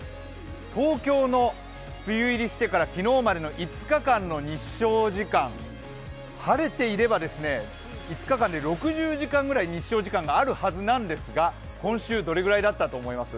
東京の梅雨入りしてから昨日までの５日間の日照時間、晴れていれば５日間で６０時間ぐらい日照時間があるはずなんですが今週どれぐらいだったと思います？